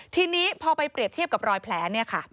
ทีนี้พอไปเปรียบเทียบกับรอยแผล